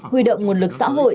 huy động nguồn lực xã hội